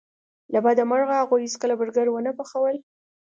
له بده مرغه هغوی هیڅکله برګر ونه پخول